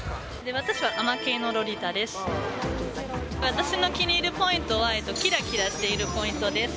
私のお気に入りポイントは、きらきらしているポイントです。